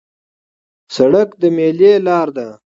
سړک د میلې لار ده.